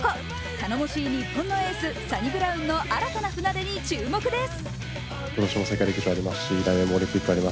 頼もしい日本のエースサニブラウンの新たな船出に注目です。